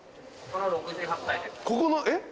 ここのえっ？